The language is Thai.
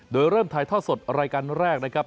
โดยเริ่มถ่ายทอดสดรายการแรกนะครับ